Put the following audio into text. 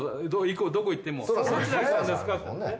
どこ行っても。